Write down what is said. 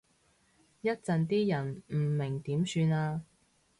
一陣啲人唔明點算啊？